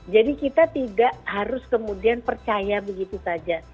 jadi kita tidak harus kemudian percaya begitu saja